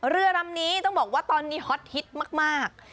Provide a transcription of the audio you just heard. เรือลำนี้ต้องบอกว่าตอนนี้ฮอตฮิตมาก